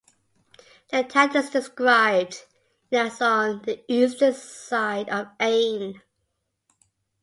The town is described in as on the eastern side of Ain.